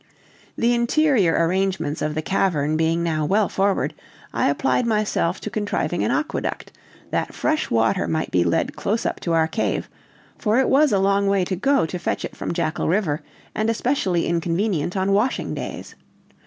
The interior arrangements of the cavern being now well forward, I applied myself to contriving an aqueduct, that fresh water might be led close up to our cave, for it was a long way to go to fetch it from Jackal River, and especially inconvenient on washing days.